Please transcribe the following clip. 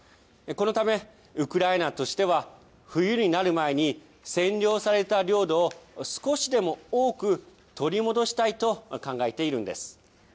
このため、ウクライナとしては冬になる前に、占領された領土を少しでも多く取り戻したいと考えているんです。